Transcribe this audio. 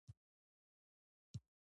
دوی د کورنۍ اقتصاد ته پام کوي.